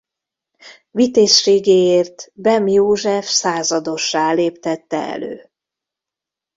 Vitézségéért Bem József századossá léptette elő.